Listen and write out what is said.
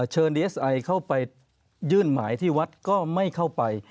ดีเอสไอเข้าไปยื่นหมายที่วัดก็ไม่เข้าไป